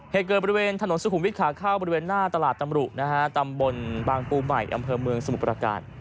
เหตุเกิดบริเวณถนนสุขุมวิทขาเข้าบริเวณหน้าตลาดตำรุนะฮะตำบลบางปูใหม่อำเภอเมืองสมุทรประการ